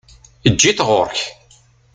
Eǧǧ-it ɣuṛ-k!